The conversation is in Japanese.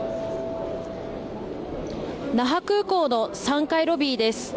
那覇空港の３階ロビーです。